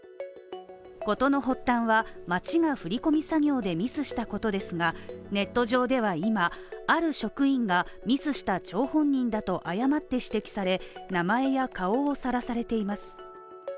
事の発端は町が振込作業でミスしたことですがネット上では今、ある職員がミスした張本人だと誤って指摘され名前や顔をさらされています。